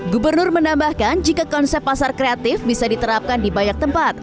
gubernur menambahkan jika konsep pasar kreatif bisa diterapkan di banyak tempat